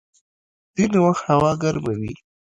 ځيني وخت هوا ګرمه وي.